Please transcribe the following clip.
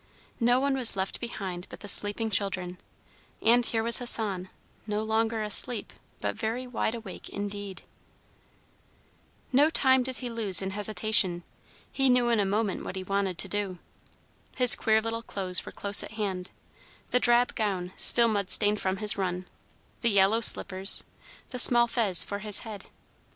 No one was left behind but the sleeping children, and here was Hassan, no longer asleep, but very wide awake indeed. [Illustration: Down the esplanade sped the little figure. PAGE 191.] No time did he lose in hesitation; he knew in a moment what he wanted to do. His queer little clothes were close at hand, the drab gown, still mud stained from his run, the yellow slippers, the small fez for his head.